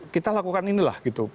kita lakukan inilah gitu